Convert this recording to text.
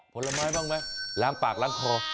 ผลไม้บ้างแม่ล้างปากลงของ